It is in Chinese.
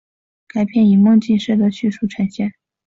该片以梦境式的叙述呈现。